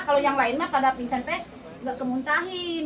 kalau yang lainnya pada pingsan t nggak kemuntahin